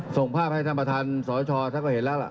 ส่งภาพให้ท่านประธานสชท่านก็เห็นแล้วล่ะ